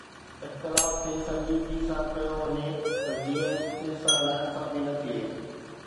اختلاف کي سنجيدگيءَ سان ڪيو وڃي ته جيئن ڪنهن سان ناانصافي نه ٿئي